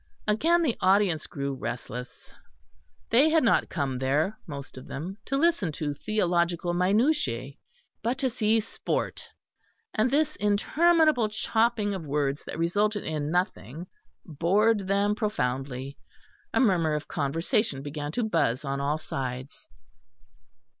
Again the audience grew restless. They had not come there, most of them, to listen to theological minutiæ, but to see sport; and this interminable chopping of words that resulted in nothing bored them profoundly. A murmur of conversation began to buzz on all sides.